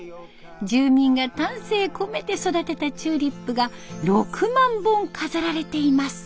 住民が丹精込めて育てたチューリップが６万本飾られています。